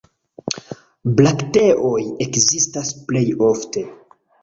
Brakteoj ekzistas plej ofte.